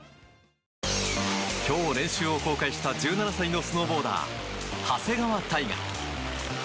今日練習を公開した１７歳のスノーボーダー長谷川帝勝。